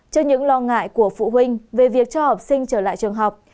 trước những lo ngại của phụ huynh về việc cho học sinh trở lại trường học